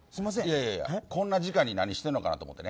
いやいや、こんな時間に何してるのかなと思ってね。